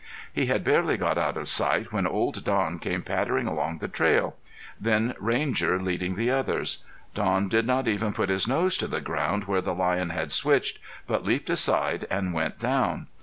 He had barely got out of sight when old Don came pattering along the trail; then Ranger leading the others. Don did not even put his nose to the ground where the lion had switched, but leaped aside and went down.